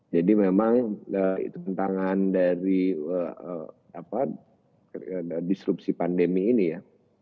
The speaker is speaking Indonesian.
jadi memang itu bentangan dari disrupsi pandemi ini ya